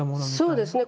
そうですね。